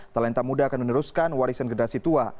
talenta muda akan meneruskan warisan generasi tua